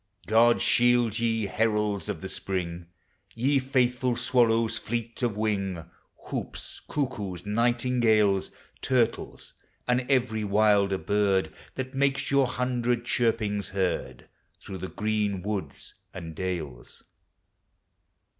God shield ye, heralds of the spring! Ye faithful swallows, fleet of wing, Houps, cuckoos, nightingales, Turtles, and every wilder bird, That make your hundred chirpings heard Through the green woods and dales.